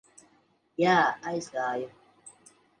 Jā, aizgāju.